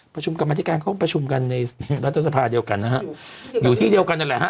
ประชุมกรรมธิการเขาก็ประชุมกันในรัฐสภาเดียวกันนะฮะอยู่ที่เดียวกันนั่นแหละฮะ